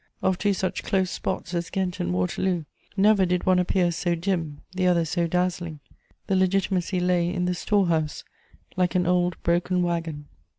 Of two such close spots as Ghent and Waterloo, never did one appear so dim, the other so dazzling: the Legitimacy lay in the store house, like an old broken waggon.